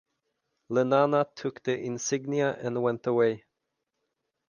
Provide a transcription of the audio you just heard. Lenana took the insignia and went away.